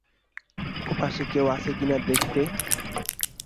ওপাশে কেউ আছে কিনা দেখতে।